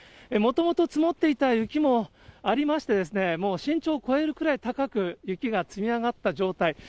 もともと積もっていた雪もありまして、もう身長を超えるくらい高く、雪が積み上がった状態。